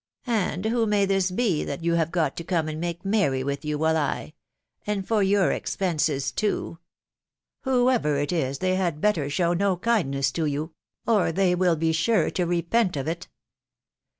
. And who may this be that you have got to come and make merry with you, while I ..•. and for your expenses too .... Whoever it is, they had better show no kindness to you, .... or they will be sure to repent of it."